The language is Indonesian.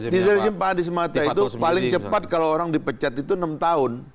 di rezim pak anies mata itu paling cepat kalau orang dipecat itu enam tahun